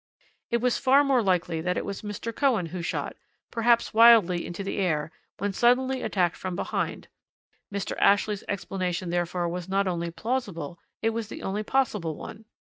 It was far more likely that it was Mr. Cohen who shot perhaps wildly into the air, when suddenly attacked from behind. Mr. Ashley's explanation therefore was not only plausible, it was the only possible one.